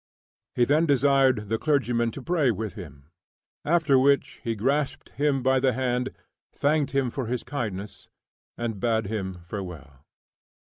He then desired the clergyman to pray with him, after which he grasped him by the hand, thanked him for his kindness, and bade him farewell.